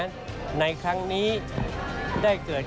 ส่วนต่างกระโบนการ